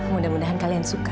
mudah mudahan kalian suka